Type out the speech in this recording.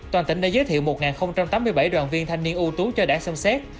toàn tỉnh đã giới thiệu một tám mươi bảy đoàn viên thanh niên ưu tú cho đảng xâm xét